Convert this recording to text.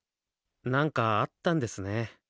何かあったんですね。